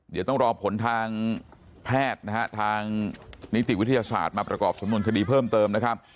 เดี๋ยวต้องรอผลทางแพทย์นะฮะทางนิติวิทยาศาสตร์มาประกอบสำนวนคดีเพิ่มเติมนะครับ